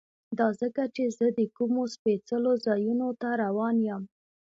دا ځکه چې زه د کومو سپېڅلو ځایونو ته روان یم.